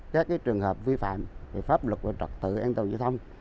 các trường hợp vi phạm pháp luật và trật tự an toàn giao thông